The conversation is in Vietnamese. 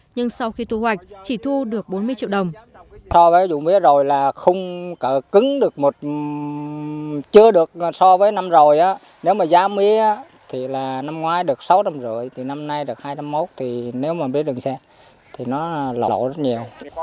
nhưng sau khi thu hoạch chỉ thu được hai năm hectare mía